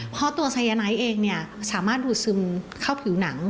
เพราะตัวไซยาไนท์เองเนี่ยสามารถดูดซึมเข้าผิวหนัง